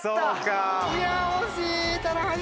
いや惜しい！